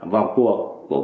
vào cuộc của